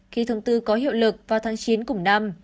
khi thông tư có hiệu lực vào tháng chín cùng năm